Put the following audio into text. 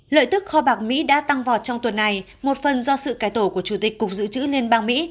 lợi tức kho bạc mỹ đã tăng vọt trong tuần này một phần do sự cái tổ của chủ tịch cục giữ chữ liên bang mỹ